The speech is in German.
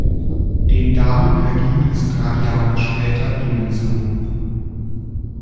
Den Damen erging es drei Jahre später ebenso.